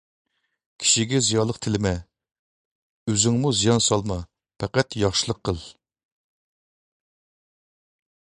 كىشىگە زىيانلىق تىلىمە، ئۆزۈڭمۇ زىيان سالما، پەقەت ياخشىلىق قىل.